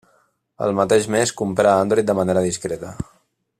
El mateix mes comprà Android de manera discreta.